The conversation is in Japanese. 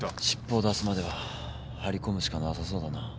しっぽを出すまでは張り込むしかなさそうだな。